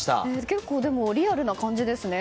結構、リアルな感じですね。